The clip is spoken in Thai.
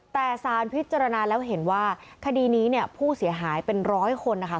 แต่สารพิจารณาแล้วเห็นว่าคดีนี้เนี่ยผู้เสียหายเป็นร้อยคนนะคะ